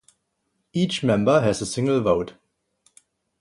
Each member has a single vote.